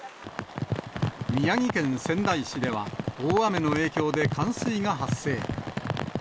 宮城県仙台市では、大雨の影響で冠水が発生。